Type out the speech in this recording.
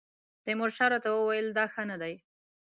تیمورشاه راته وویل دا ښه نه دی.